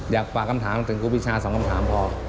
อยากฝากคำถามถึงครูปีชา๒คำถามพอ